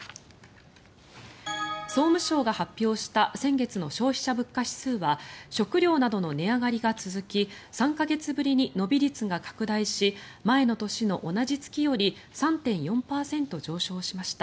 総務省が発表した先月の消費者物価指数は食料などの値上がりが続き３か月ぶりに伸び率が拡大し前の年の同じ月より３．４％上昇しました。